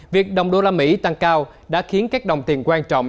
việc đồng đô la mỹ tăng cao đã khiến các đồng tiền quan trọng